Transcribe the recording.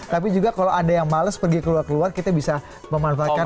tapi juga kalau ada yang males pergi keluar keluar kita bisa memanfaatkan